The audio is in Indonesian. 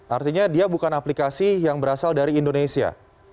artinya dia bukan aplikasi yang berasal dari indonesia